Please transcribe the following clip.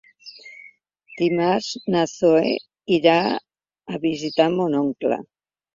Dimarts na Zoè irà a visitar mon oncle.